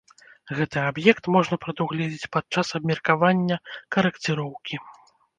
Гэты аб'ект можна прадугледзець падчас абмеркавання карэкціроўкі.